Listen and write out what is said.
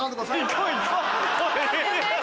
行こう行こう。